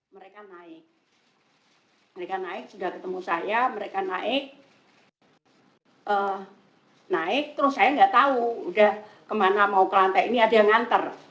mereka naik mereka naik sudah ketemu saya mereka naik naik terus saya nggak tahu udah kemana mau ke lantai ini ada yang nganter